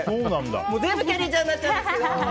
全部、きゃりーちゃんになっちゃうんですけど。